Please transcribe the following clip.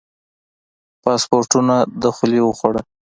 پاسپورتونو دخولي وخوړه.